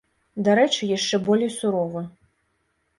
Дарэчы, яшчэ болей суровы.